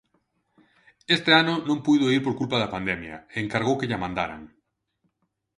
Este ano non puido ir por culpa da pandemia, e encargou que lla mandaran.